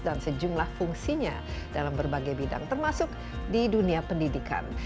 dan sejumlah fungsinya dalam berbagai bidang termasuk di dunia pendidikan